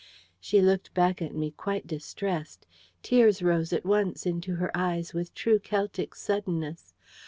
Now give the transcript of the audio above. She looked back at me quite distressed. Tears rose at once into her eyes with true Celtic suddenness.